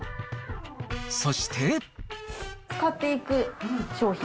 そして。